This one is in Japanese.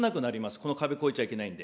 この壁超えちゃいけないので。